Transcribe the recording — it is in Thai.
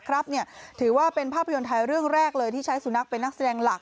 ถือว่าเป็นภาพยนตร์ไทยเรื่องแรกเลยที่ใช้สุนัขเป็นนักแสดงหลัก